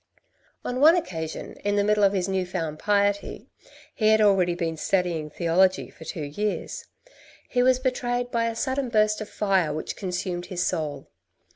On one occasion, in the middle of his new found piety (he had already been studying theology for two years), he was betrayed by a sudden burst of fire which consumed his soul.